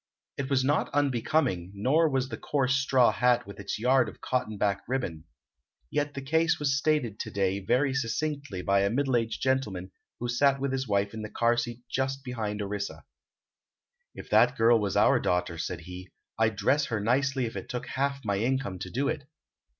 It was not unbecoming, nor was the coarse straw hat with its yard of cotton back ribbon; yet the case was stated to day very succinctly by a middle aged gentleman who sat with his wife in the car seat just behind Orissa: "If that girl was our daughter," said he, "I'd dress her nicely if it took half my income to do it.